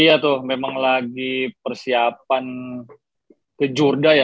iya tuh memang lagi persiapan ke jurda ya